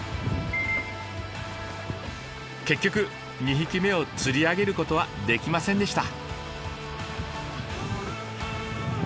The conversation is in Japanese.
結局２匹目を釣り上げることはできませんでした。